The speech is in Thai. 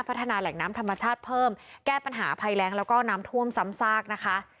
พัฒนาแหล่งน้ำธรรมชาติเพิ่มแก้ปัญหาภัยแรงแล้วก็น้ำท่วมซ้ำซากนะคะ